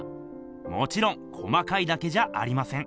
もちろん細かいだけじゃありません。